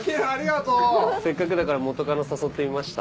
せっかくだから元カノ誘ってみました。